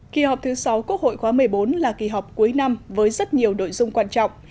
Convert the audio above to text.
kỳ họp thứ sáu quốc hội khóa một mươi bốn là kỳ họp cuối năm với rất nhiều nội dung quan trọng